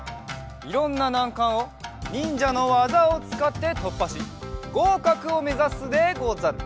いろんななんかんをにんじゃのわざをつかってとっぱしごうかくをめざすでござる。